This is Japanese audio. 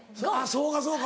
そうかそうか。